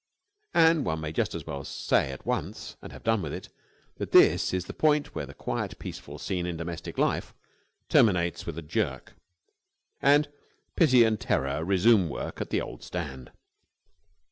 And one may just as well say at once and have done with it that this is the point where the quiet, peaceful scene in domestic life terminates with a jerk, and pity and terror resume work at the old stand.